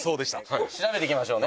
「調べていきましょうね」